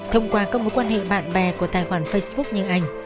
thông qua các mối quan hệ bạn bè của tài khoản facebook như anh